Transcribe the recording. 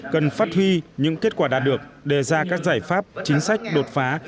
cần phát huy những kết quả đạt được đề ra các giải pháp chính sách đột phá